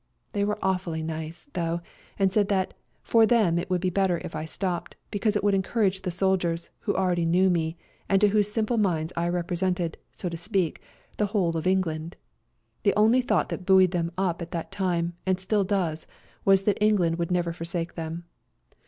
They were awfully nice, though, and said that " for them it would be better if I stopped, because it would encourage the soldiers, who already all knew me, and to whose simple minds I represented, so to speak, the whole of England." The only thought that buoyed them up at that time, and still does, was that England would never forsake them.